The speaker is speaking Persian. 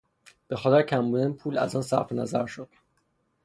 به خاطر کم بودن پول از آن صرفنظر شد.